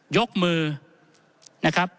ยกมือนะครับ